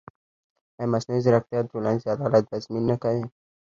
ایا مصنوعي ځیرکتیا د ټولنیز عدالت تضمین نه کوي؟